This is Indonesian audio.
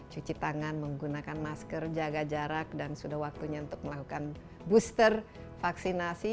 cuci tangan menggunakan masker jaga jarak dan sudah waktunya untuk melakukan booster vaksinasi